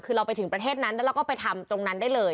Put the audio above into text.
คือเราไปถึงประเทศนั้นแล้วเราก็ไปทำตรงนั้นได้เลย